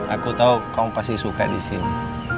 aku tau kamu pasti suka disini